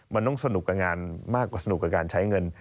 มันต้องสนุกกับงานมากกว่าสนุกกับการใช้เงิน